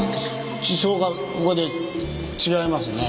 地層がここで違いますね。